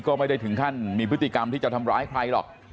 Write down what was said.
ก็ไม่ได้ถึงขั้นมีพฤติกรรมที่จะทำร้ายใครหรอก